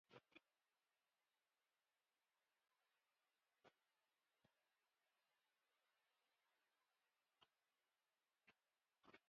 No se informaron muertes danesas, y Schleswig-Holstein registró un muerto y un herido.